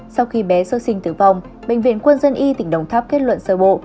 sau khi bé sơ sinh tử vong bệnh viện quân dân y tỉnh đồng tháp kết luận sơ bộ